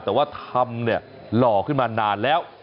แต่ว่าทำเนี่ยหล่อขึ้นมานานแล้ว